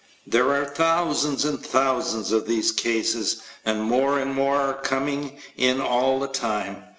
There are thousands and thousands of these cases, and more and more are coming in all the time.